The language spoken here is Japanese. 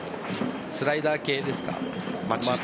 スライダー系ですか？